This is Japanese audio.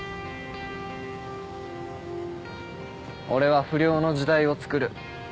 俺は不良の時代をつくる。